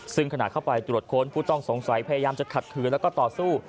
ซึ่งขณะเข้าไปตรวจค้นผู้ต้องสงสัยพยายามจะขัดขืนแล้วก็ต่อสู้